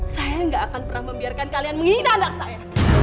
saya gak akan pernah membiarkan kalian menghina anak saya